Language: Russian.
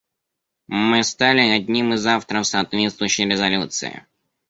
Мы стали одним из авторов соответствующей резолюции.